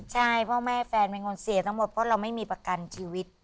ใช่เพราะแม่แฟนเป็นคนเสียทั้งหมดเพราะเราไม่มีประกันชีวิต